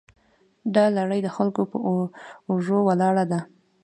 دا لړۍ د خلکو په اوږو ولاړه ده.